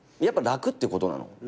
やっぱ楽ってことなの？